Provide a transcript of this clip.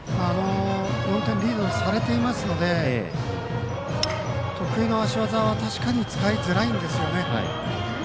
４点リードされていますので得意の足技は確かに使いづらいですよね。